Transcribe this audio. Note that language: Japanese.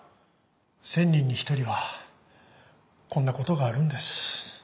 １，０００人に１人はこんなことがあるんです。